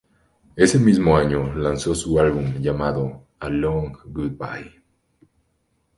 Ese mismo año lanzó su álbum llamado "A Long Goodbye".